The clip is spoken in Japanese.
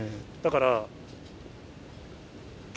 だから。